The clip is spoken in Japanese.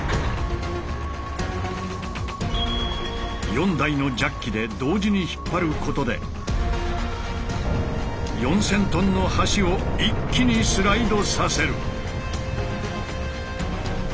４台のジャッキで同時に引っ張ることで４，０００ｔの橋を一気にスライドさせる。